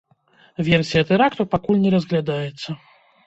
Версія тэракту пакуль не разглядаецца.